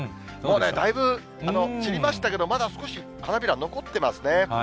もうだいぶ散りましたけど、まだ少し花びら残ってますね。